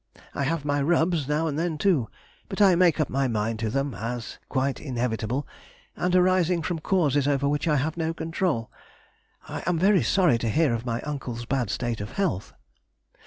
I have my rubs now and then too, but I make up my mind to them as quite inevitable, and arising from causes over which I have no control. I am very sorry to hear of my uncle's bad state of health.